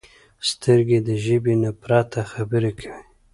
سترګې د ژبې نه پرته خبرې کوي